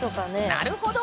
なるほど！